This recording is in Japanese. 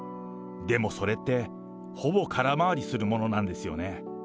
でもそれって、ほぼ空回りするものなんですよね。